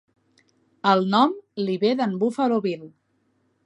El nom li ve d'en Buffalo Bill.